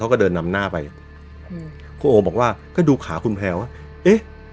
เขาก็เดินนำหน้าไปอืมคุณโอบอกว่าก็ดูขาคุณแพลวว่าเอ๊ะ